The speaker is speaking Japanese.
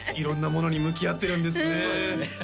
色んなものに向き合ってるんですね